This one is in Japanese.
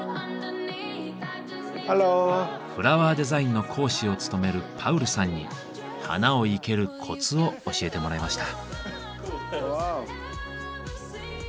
フラワーデザインの講師を務めるパウルさんに花を生けるコツを教えてもらいました。